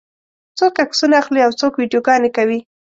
څوک عکسونه اخلي او څوک ویډیوګانې کوي.